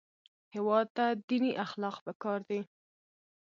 هېواد ته دیني اخلاق پکار دي